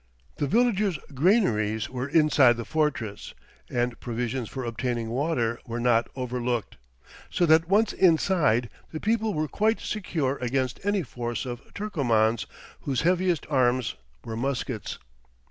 The villagers' granaries were inside the fortress, and provisions for obtaining water were not overlooked; so that once inside, the people were quite secure against any force of Turkomans, whose heaviest arms were muskets.